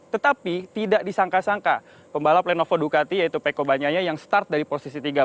tetapi tidak disangka sangka pembalap lenovo ducati yaitu peko banya yang start dari posisi tiga belas